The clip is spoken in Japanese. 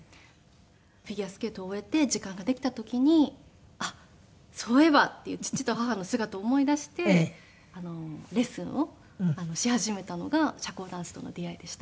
フィギュアスケートを終えて時間ができた時にあっそういえばって父と母の姿思い出してレッスンをし始めたのが社交ダンスとの出合いでした。